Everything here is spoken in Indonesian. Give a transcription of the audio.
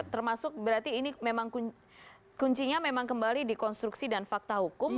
termasuk berarti ini memang kuncinya memang kembali di konstruksi dan fakta hukum